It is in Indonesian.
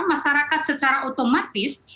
masyarakat secara otomatis